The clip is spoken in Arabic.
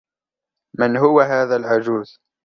من هو هذا العجوز ؟